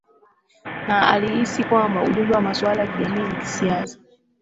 Na alihisi kwamba ujumbe wa masuala ya kijamii na kisiasa